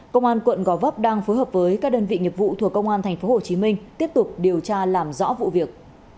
công an quận gò vấp đang phối hợp với các đơn vị nghiệp vụ thuộc công an tp hcm tiếp tục điều tra làm rõ vụ việc